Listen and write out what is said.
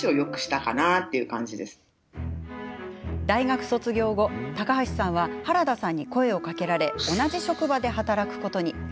大学卒業後、高橋さんは原田さんに声をかけられ同じ職場で働くことに。